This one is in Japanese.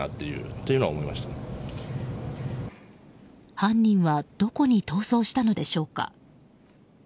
犯人はどこに逃走したのでしょうか。